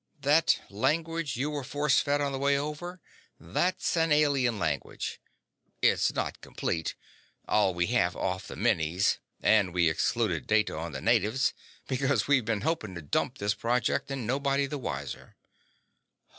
That language you were force fed on the way over, that's an alien language. It's not complete ... all we have off the minis. And we excluded data on the natives because we've been hoping to dump this project and nobody the wiser."